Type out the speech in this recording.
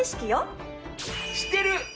知ってる！